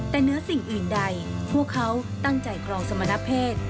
แต่เนื้อสิ่งอื่นใดพวกเขาตั้งใจครองสมณเพศ